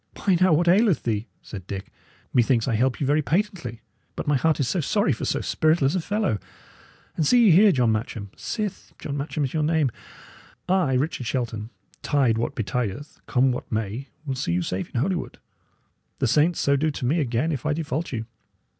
"Why, now, what aileth thee?" said Dick. "Methinks I help you very patently. But my heart is sorry for so spiritless a fellow! And see ye here, John Matcham sith John Matcham is your name I, Richard Shelton, tide what betideth, come what may, will see you safe in Holywood. The saints so do to me again if I default you.